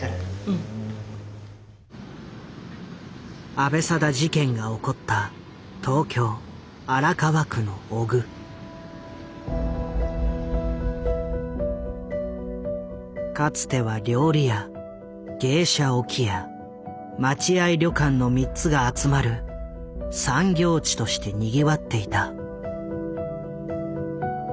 阿部定事件が起こった東京かつては料理屋芸者置屋待合旅館の３つが集まる「三業地」としてにぎわっていた。